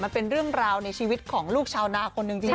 มันเป็นเรื่องราวในชีวิตของลูกชาวนาคนหนึ่งจริง